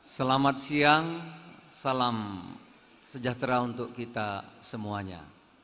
selamat siang salam sejahtera untuk kita semuanya